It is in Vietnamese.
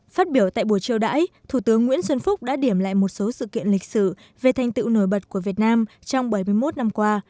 phát biểu tại buổi chiêu đãi thủ tướng nguyễn xuân phúc đã điểm lại một số sự kiện lịch sử về thành tựu nổi bật của việt nam trong bảy mươi một năm qua